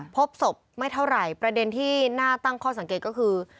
พบศพไม่เท่าไหร่ประเด็นที่น่าตั้งข้อสังเกตก็คือ